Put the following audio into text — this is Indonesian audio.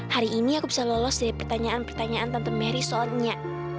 hari ini aku bisa lolos dari pertanyaan pertanyaan tentang mary soalnya